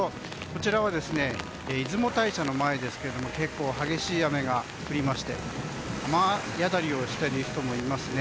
こちらは出雲大社の前ですけども結構激しい雨が降りまして雨宿りをしている人もいますね。